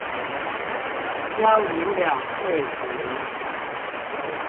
將銀兩廢除